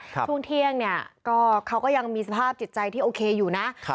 ช่วงเที่ยงเนี่ยก็เขาก็ยังมีสภาพจิตใจที่โอเคอยู่นะ